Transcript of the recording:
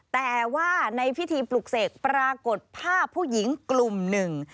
แต่ว่าในพิธีปลุกเสกปรากฏภาพผู้หญิงกลุ่มหนึ่ง